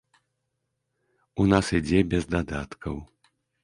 У нас ідзе без дадаткаў.